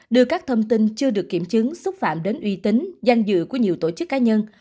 đưa các thông tin chưa được kiểm chứng xúc phạm đến uy tín danh dự của nhiều tổ chức cá nhân